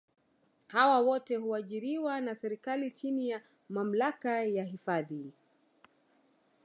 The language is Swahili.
hawa wote huajiriwa na serikali chini ya mamlaka ya hifadhi